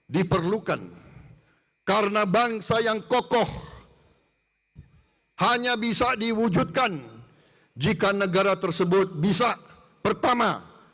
diperlukan karena bangsa yang kokoh hanya bisa diwujudkan jika negara tersebut bisa pertama